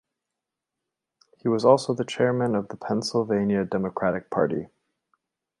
He was also the chairman of the Pennsylvania Democratic Party.